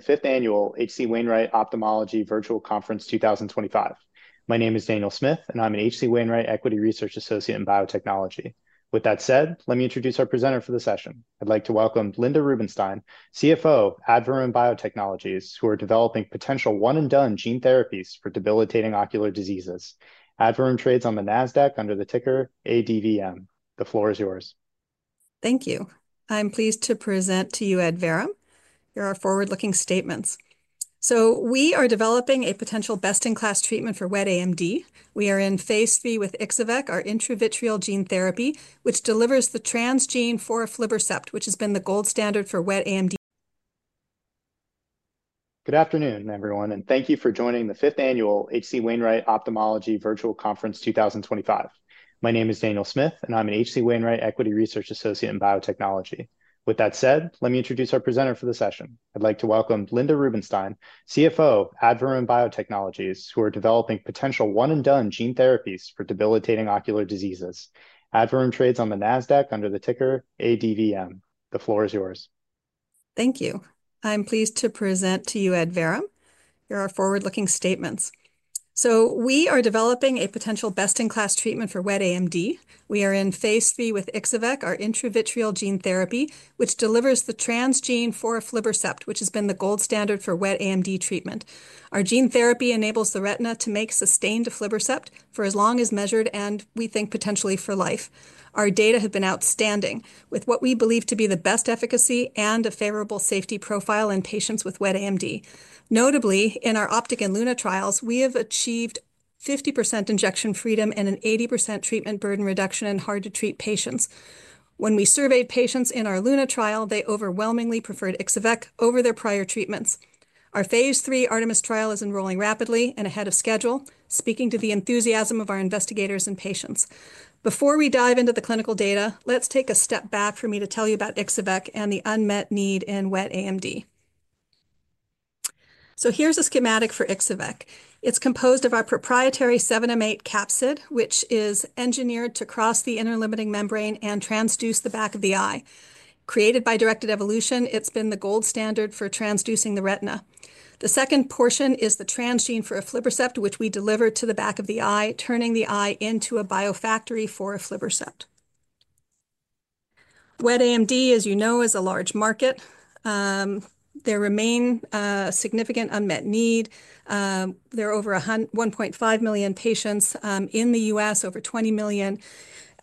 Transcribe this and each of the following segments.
The Fifth Annual H.C. Wainwright Ophthalmology Virtual Conference 2025. My name is Daniel Smith, and I'm an H.C. Wainwright Equity Research Associate in Biotechnology. With that said, let me introduce our presenter for the session. I'd like to welcome Linda Rubinstein, CFO of Adverum Biotechnologies, who are developing potential one-and-done gene therapies for debilitating ocular diseases. Adverum trades on the NASDAQ under the ticker ADVM. The floor is yours. Thank you. I'm pleased to present to you Adverum. Here are our forward-looking statements. We are developing a potential best-in-class treatment for wet AMD. We are in Phase III with Ixo-vec, our intravitreal gene therapy, which delivers the transgene for aflibercept, which has been the gold standard for wet AMD. Good afternoon, everyone, and thank you for joining the Fifth Annual H.C. Wainwright Ophthalmology Virtual Conference 2025. My name is Daniel Smith, and I'm an H.C. Wainwright Equity Research Associate in Biotechnology. With that said, let me introduce our presenter for the session. I'd like to welcome Linda Rubinstein, CFO of Adverum Biotechnologies, who are developing potential one-and-done gene therapies for debilitating ocular diseases. Adverum trades on the NASDAQ under the ticker ADVM. The floor is yours. Thank you. I'm pleased to present to you, Adverum. Here are our forward-looking statements. We are developing a potential best-in-class treatment for wet AMD. We are in Phase III with Ixo-vec, our intravitreal gene therapy, which delivers the transgene for aflibercept, which has been the gold standard for wet AMD treatment. Our gene therapy enables the retina to make sustained aflibercept for as long as measured, and we think potentially for life. Our data have been outstanding, with what we believe to be the best efficacy and a favorable safety profile in patients with wet AMD. Notably, in our OPTIC and LUNA trials, we have achieved 50% injection freedom and an 80% treatment burden reduction in hard-to-treat patients. When we surveyed patients in our LUNA trial, they overwhelmingly preferred Ixo-vec over their prior treatments. Our Phase III ARTEMIS trial is enrolling rapidly and ahead of schedule, speaking to the enthusiasm of our investigators and patients. Before we dive into the clinical data, let's take a step back for me to tell you about Ixo-vec and the unmet need in wet AMD. Here is a schematic for Ixo-vec. It's composed of our proprietary 7m8 capsid, which is engineered to cross the inner limiting membrane and transduce the back of the eye. Created by directed evolution, it's been the gold standard for transducing the retina. The second portion is the transgene for aflibercept, which we deliver to the back of the eye, turning the eye into a biofactory for aflibercept. Wet AMD, as you know, is a large market. There remains a significant unmet need. There are over 1.5 million patients in the U.S., over 20 million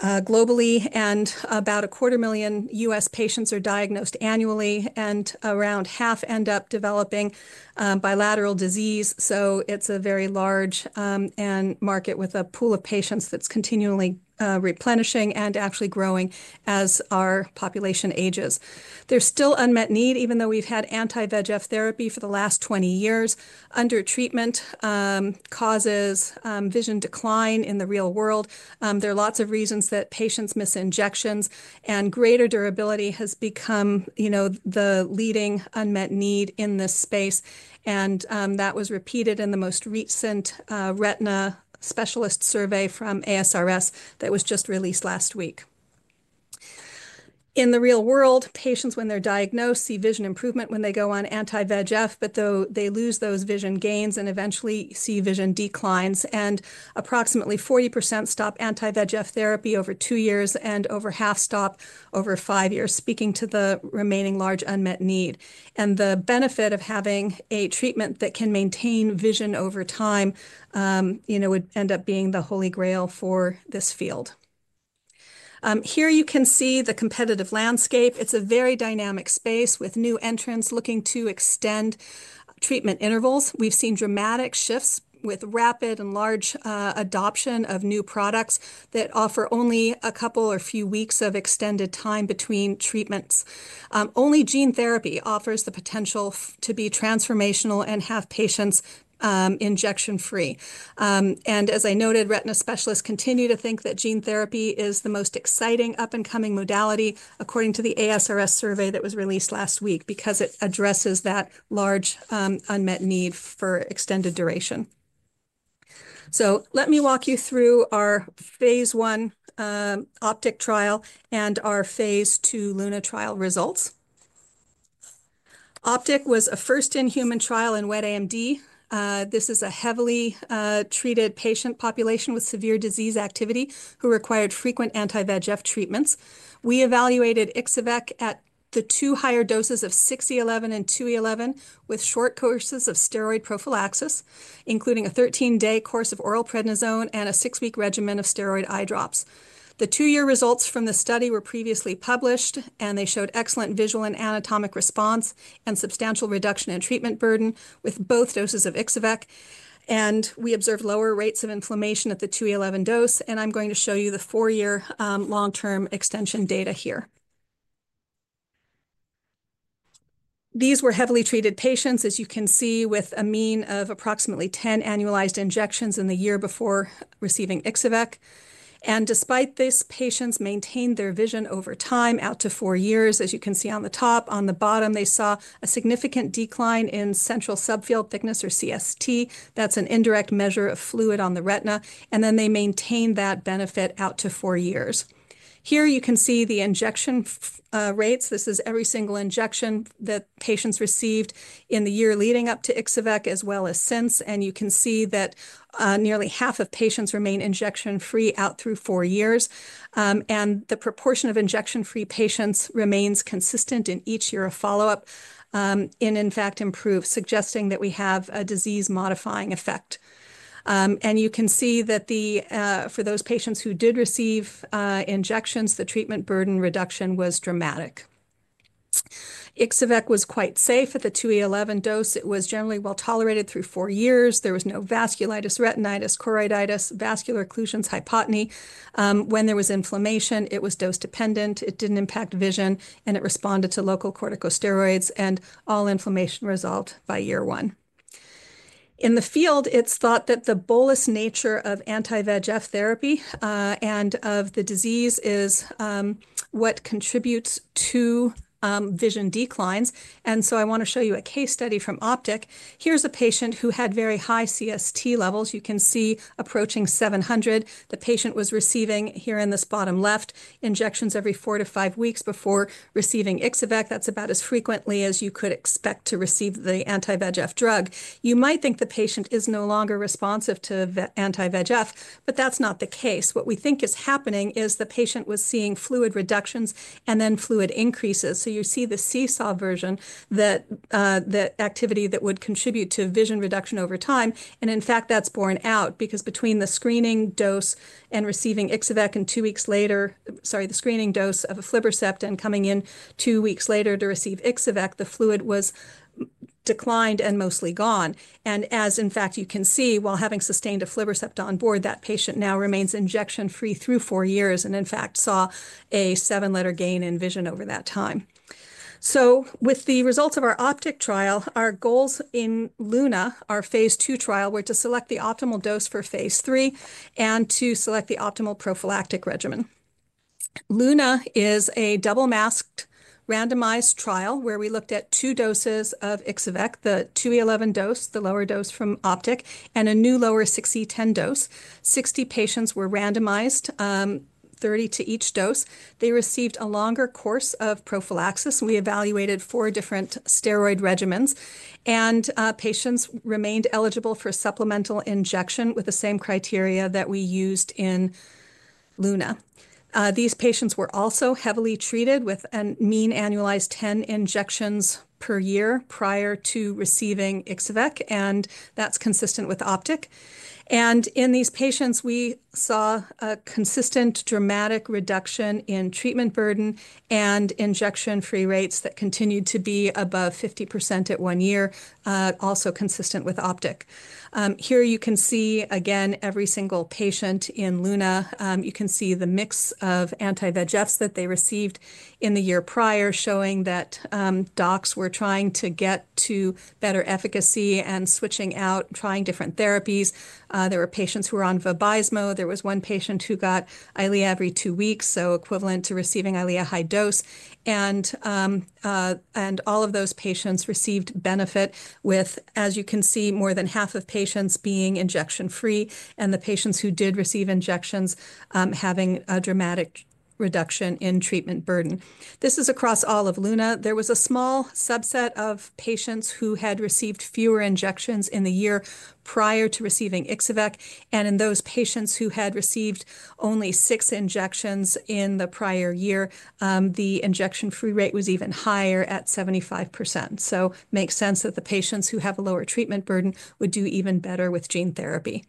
globally, and about 25,000 U.S. patients are diagnosed annually, and around half end up developing bilateral disease. It's a very large market with a pool of patients that's continually replenishing and actually growing as our population ages. There's still unmet need, even though we've had anti-VEGF therapy for the last 20 years. Under treatment causes vision decline in the real world. There are lots of reasons that patients miss injections, and greater durability has become the leading unmet need in this space. That was repeated in the most recent retina specialist survey from ASRS that was just released last week. In the real world, patients, when they're diagnosed, see vision improvement when they go on anti-VEGF, but they lose those vision gains and eventually see vision declines. Approximately 40% stop anti-VEGF therapy over two years and over half stop over five years, speaking to the remaining large unmet need. The benefit of having a treatment that can maintain vision over time would end up being the holy grail for this field. Here you can see the competitive landscape. It's a very dynamic space with new entrants looking to extend treatment intervals. We've seen dramatic shifts with rapid and large adoption of new products that offer only a couple or few weeks of extended time between treatments. Only gene therapy offers the potential to be transformational and have patients injection-free. As I noted, retina specialists continue to think that gene therapy is the most exciting up-and-coming modality, according to the ASRS survey that was released last week, because it addresses that large unmet need for extended duration. Let me walk you through our Phase I OPTIC trial and our Phase II LUNA trial results. OPTIC was a first-in-human trial in wet AMD. This is a heavily treated patient population with severe disease activity who required frequent anti-VEGF treatments. We evaluated Ixo-vec at the two higher doses of 6E11 and 2E11 with short courses of steroid prophylaxis, including a 13-day course of oral prednisone and a six-week regimen of steroid eye drops. The two-year results from the study were previously published, and they showed excellent visual and anatomic response and substantial reduction in treatment burden with both doses of Ixo-vec. We observed lower rates of inflammation at the 2E11 dose, and I'm going to show you the four-year long-term extension data here. These were heavily treated patients, as you can see, with a mean of approximately 10 annualized injections in the year before receiving Ixo-vec. Despite this, patients maintained their vision over time out to four years, as you can see on the top. On the bottom, they saw a significant decline in central subfield thickness, or CST. That's an indirect measure of fluid on the retina. They maintained that benefit out to four years. Here you can see the injection rates. This is every single injection that patients received in the year leading up to Ixo-vec, as well as since. You can see that nearly half of patients remain injection-free out through four years. The proportion of injection-free patients remains consistent in each year of follow-up and, in fact, improves, suggesting that we have a disease-modifying effect. You can see that for those patients who did receive injections, the treatment burden reduction was dramatic. Ixo-vec was quite safe at the 2E11 dose. It was generally well tolerated through four years. There was no vasculitis, retinitis, choroiditis, vascular occlusions, or hypotony. When there was inflammation, it was dose-dependent. It didn't impact vision, and it responded to local corticosteroids, and all inflammation resolved by year one. In the field, it's thought that the bolus nature of anti-VEGF therapy and of the disease is what contributes to vision declines. I want to show you a case study from OPTIC. Here's a patient who had very high CST levels. You can see approaching 700. The patient was receiving, here in this bottom left, injections every four to five weeks before receiving Ixo-vec. That's about as frequently as you could expect to receive the anti-VEGF drug. You might think the patient is no longer responsive to anti-VEGF, but that's not the case. What we think is happening is the patient was seeing fluid reductions and then fluid increases. You see the seesaw version, that activity that would contribute to vision reduction over time. That is borne out because between the screening dose and receiving Ixo-vec two weeks later, sorry, the screening dose of aflibercept and coming in two weeks later to receive Ixo-vec, the fluid was declined and mostly gone. As you can see, while having sustained aflibercept on board, that patient now remains injection-free through four years and in fact saw a seven-letter gain in vision over that time. With the results of our OPTIC trial, our goals in LUNA, our Phase II trial, were to select the optimal dose for Phase III and to select the optimal prophylactic regimen. LUNA is a double-masked randomized trial where we looked at two doses of Ixo-vec, the 2E11 dose, the lower dose from OPTIC, and a new lower 6E10 dose. Sixty patients were randomized, thirty to each dose. They received a longer course of prophylaxis. We evaluated four different steroid regimens, and patients remained eligible for supplemental injection with the same criteria that we used in LUNA. These patients were also heavily treated with a mean annualized 10 injections per year prior to receiving Ixo-vec, and that's consistent with OPTIC. In these patients, we saw a consistent dramatic reduction in treatment burden and injection-free rates that continued to be above 50% at one year, also consistent with OPTIC. Here you can see again every single patient in LUNA. You can see the mix of anti-VEGF therapies that they received in the year prior, showing that docs were trying to get to better efficacy and switching out, trying different therapies. There were patients who were on VABYSMO. There was one patient who got EYLEA every two weeks, so equivalent to receiving EYLEA high dose. All of those patients received benefit with, as you can see, more than half of patients being injection-free and the patients who did receive injections having a dramatic reduction in treatment burden. This is across all of LUNA. There was a small subset of patients who had received fewer injections in the year prior to receiving Ixo-vec, and in those patients who had received only six injections in the prior year, the injection-free rate was even higher at 75%. It makes sense that the patients who have a lower treatment burden would do even better with gene therapy.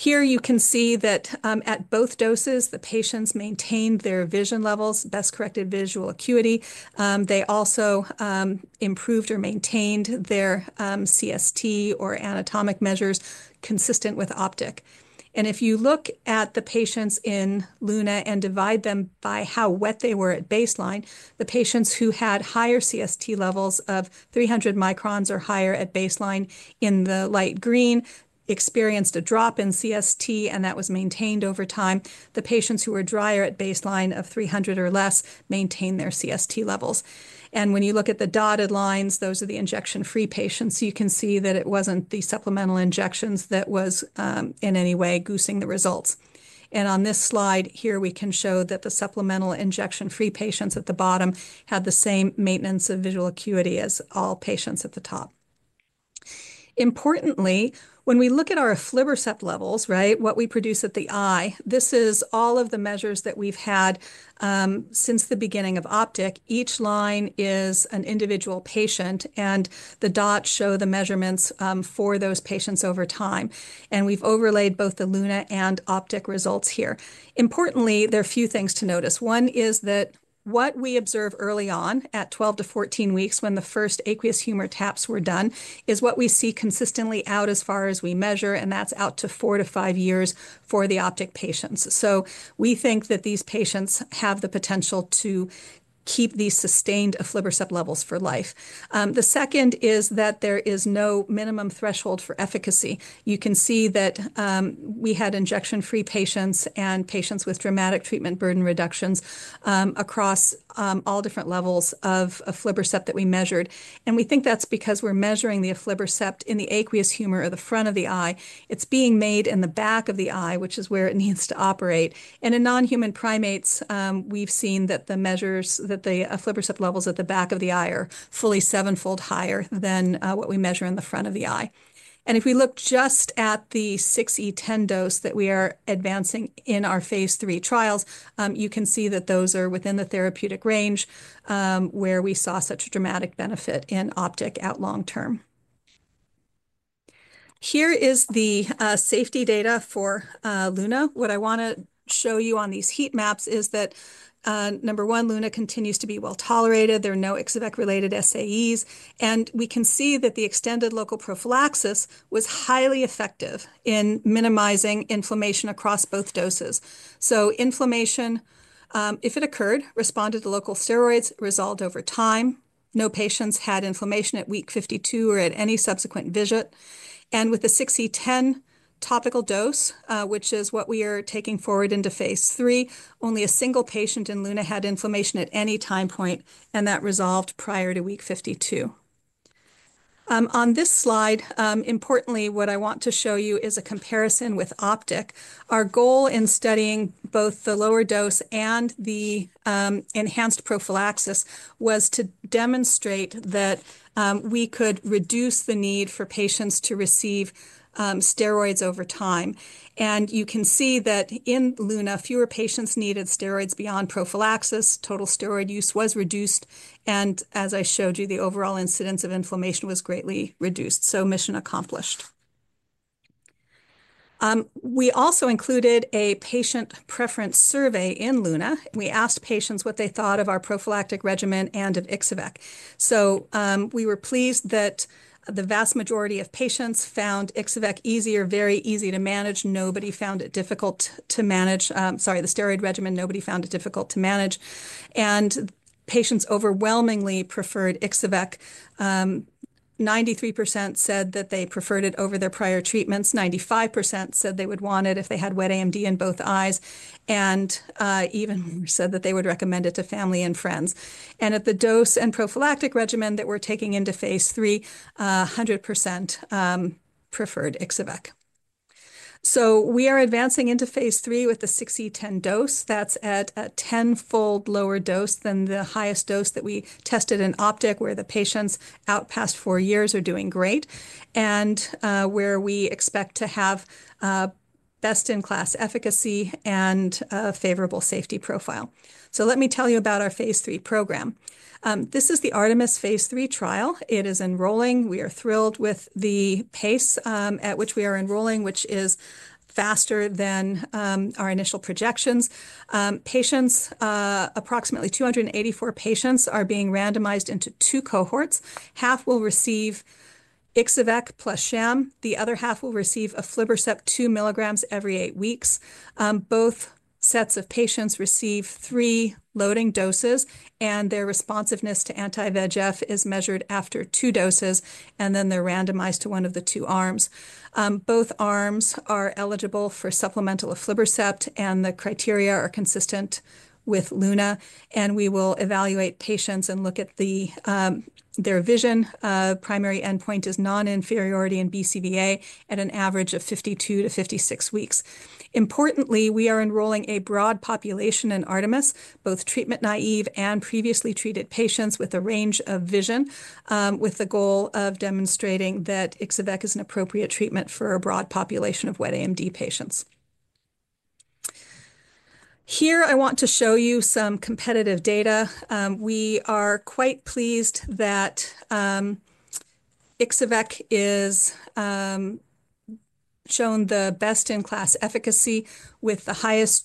Here you can see that at both doses, the patients maintained their vision levels, best-corrected visual acuity. They also improved or maintained their CST or anatomic measures consistent with OPTIC. If you look at the patients in LUNA and divide them by how wet they were at baseline, the patients who had higher CST levels of 300 µm or higher at baseline in the light green experienced a drop in CST, and that was maintained over time. The patients who were drier at baseline of 300 or less maintained their CST levels. When you look at the dotted lines, those are the injection-free patients. You can see that it wasn't the supplemental injections that were in any way goosing the results. On this slide here, we can show that the supplemental injection-free patients at the bottom had the same maintenance of visual acuity as all patients at the top. Importantly, when we look at our aflibercept levels, what we produce at the eye, this is all of the measures that we've had since the beginning of OPTIC. Each line is an individual patient, and the dots show the measurements for those patients over time. We've overlaid both the LUNA and OPTIC results here. Importantly, there are a few things to notice. One is that what we observe early on at 12-14 weeks when the first aqueous humor taps were done is what we see consistently out as far as we measure, and that's out to four to five years for the OPTIC patients. We think that these patients have the potential to keep these sustained aflibercept levels for life. The second is that there is no minimum threshold for efficacy. You can see that we had injection-free patients and patients with dramatic treatment burden reductions across all different levels of aflibercept that we measured. We think that's because we're measuring the aflibercept in the aqueous humor or the front of the eye. It's being made in the back of the eye, which is where it needs to operate. In non-human primates, we've seen that the measures that the aflibercept levels at the back of the eye are fully seven-fold higher than what we measure in the front of the eye. If we look just at the 6E10 dose that we are advancing in our Phase III trials, you can see that those are within the therapeutic range where we saw such a dramatic benefit in OPTIC out long term. Here is the safety data for LUNA. What I want to show you on these heat maps is that, number one, LUNA continues to be well tolerated. There are no Ixo-vec-related SAEs, and we can see that the extended local prophylaxis was highly effective in minimizing inflammation across both doses. Inflammation, if it occurred, responded to local steroids, resolved over time. No patients had inflammation at week 52 or at any subsequent visit. With the 6E10 topical dose, which is what we are taking forward into Phase III, only a single patient in LUNA had inflammation at any time point, and that resolved prior to week 52. On this slide, importantly, what I want to show you is a comparison with OPTIC. Our goal in studying both the lower dose and the enhanced prophylaxis was to demonstrate that we could reduce the need for patients to receive steroids over time. You can see that in LUNA, fewer patients needed steroids beyond prophylaxis. Total steroid use was reduced, and as I showed you, the overall incidence of inflammation was greatly reduced. Mission accomplished. We also included a patient preference survey in LUNA. We asked patients what they thought of our prophylactic regimen and of Ixo-vec. We were pleased that the vast majority of patients found Ixo-vec easier, very easy to manage. Nobody found it difficult to manage. Sorry, the steroid regimen, nobody found it difficult to manage. Patients overwhelmingly preferred Ixo-vec. 93% said that they preferred it over their prior treatments. 95% said they would want it if they had wet AMD in both eyes. Even more said that they would recommend it to family and friends. At the dose and prophylactic regimen that we're taking into Phase III, 100% preferred Ixo-vec. We are advancing into Phase III with the 6E10 dose. That's at a ten-fold lower dose than the highest dose that we tested in OPTIC, where the patients out past four years are doing great and where we expect to have best-in-class efficacy and a favorable safety profile. Let me tell you about our Phase III program. This is the ARTEMIS Phase III trial. It is enrolling. We are thrilled with the pace at which we are enrolling, which is faster than our initial projections. Approximately 284 patients are being randomized into two cohorts. Half will receive Ixo-vec plus sham. The other half will receive aflibercept 2 mg every eight weeks. Both sets of patients receive three loading doses, and their responsiveness to anti-VEGF is measured after two doses, and then they're randomized to one of the two arms. Both arms are eligible for supplemental aflibercept, and the criteria are consistent with LUNA. We will evaluate patients and look at their vision. The primary endpoint is non-inferiority in best-corrected visual acuity at an average of 52-56 weeks. Importantly, we are enrolling a broad population in ARTEMIS, both treatment-naive and previously treated patients with a range of vision, with the goal of demonstrating that Ixo-vec is an appropriate treatment for a broad population of wet AMD patients. Here I want to show you some competitive data. We are quite pleased that Ixo-vec has shown the best-in-class efficacy with the highest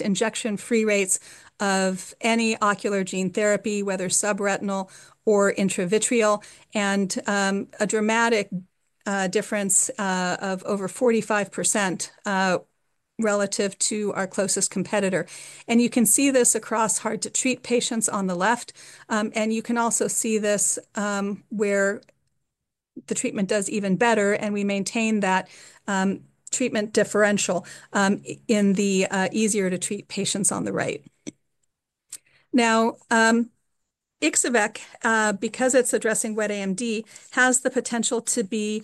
injection-free rates of any ocular gene therapy, whether subretinal or intravitreal, and a dramatic difference of over 45% relative to our closest competitor. You can see this across hard-to-treat patients on the left, and you can also see this where the treatment does even better, and we maintain that treatment differential in the easier-to-treat patients on the right. Ixo-vec, because it's addressing wet AMD, has the potential to be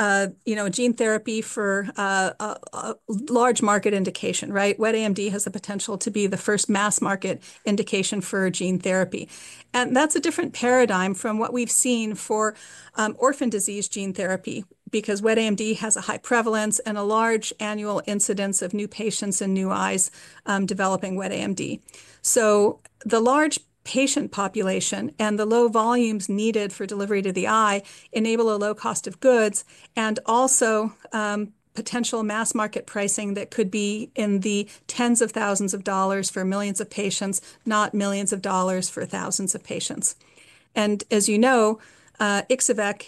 a gene therapy for a large market indication, right? Wet AMD has the potential to be the first mass market indication for a gene therapy. That's a different paradigm from what we've seen for orphan disease gene therapy because wet AMD has a high prevalence and a large annual incidence of new patients and new eyes developing wet AMD. The large patient population and the low volumes needed for delivery to the eye enable a low cost of goods and also potential mass market pricing that could be in the tens of thousands of dollars for millions of patients, not millions of dollars for thousands of patients. As you know, Ixo-vec,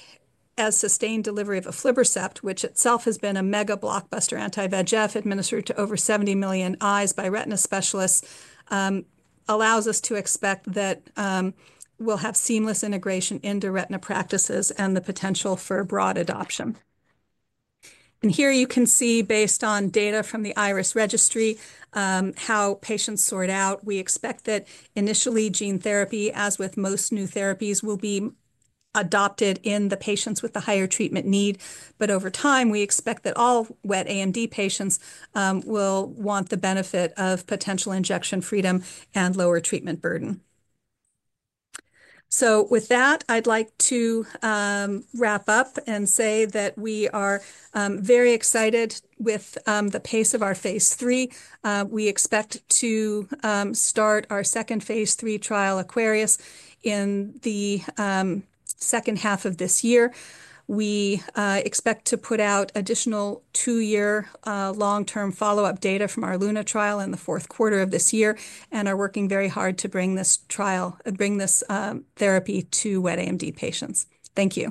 as sustained delivery of aflibercept, which itself has been a mega blockbuster anti-VEGF administered to over 70 million eyes by retina specialists, allows us to expect that we'll have seamless integration into retina practices and the potential for broad adoption. Here you can see, based on data from the IRIS registry, how patients sort out. We expect that initially gene therapy, as with most new therapies, will be adopted in the patients with the higher treatment need. Over time, we expect that all wet AMD patients will want the benefit of potential injection freedom and lower treatment burden. With that, I'd like to wrap up and say that we are very excited with the pace of our Phase III. We expect to start our second Phase III trial Aquarius in the second half of this year. We expect to put out additional two-year long-term follow-up data from our LUNA trial in the fourth quarter of this year and are working very hard to bring this trial, bring this therapy to wet AMD patients. Thank you.